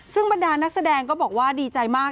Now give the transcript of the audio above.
ซึ่งบรรดานักแสดงก็บอกว่าดีใจมาก